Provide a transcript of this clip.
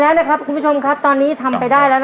แล้วตอนนั้นมีสักประมาณสิบกว่าบาท๒๐บาทนี่เลยกันไปซื้อมา